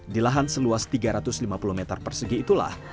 di lahan seluas tiga ratus lima puluh meter persegi itulah